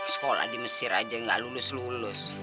sekolah di mesir aja nggak lulus lulus